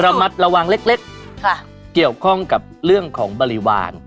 ระมัดระวังเล็กเกี่ยวข้องกับเรื่องของบริวาร